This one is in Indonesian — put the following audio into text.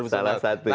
salah satu ya